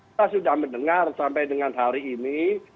kita sudah mendengar sampai dengan hari ini